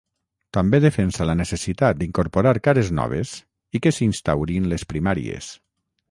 També defensa la necessitat d’incorporar cares noves i que s’instaurin les primàries.